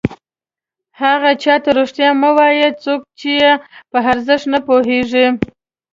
هغه چاته رښتیا مه وایه څوک چې یې په ارزښت نه پوهېږي.